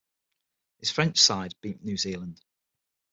His French side beat New Zealand.